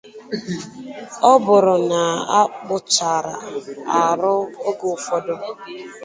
Ọ bụrụ na a kpụchaa arụ oge ụfọdụ